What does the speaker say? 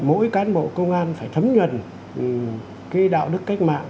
mỗi cán bộ công an phải thấm nhuận cái đạo đức cách mạng